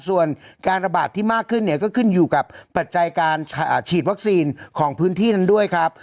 ส่วนการระบาดที่มากขึ้นเนี่ยก็ขึ้นอยู่กับปัจจัยการฉีดวัคซีนของพื้นที่นั้นด้วยครับ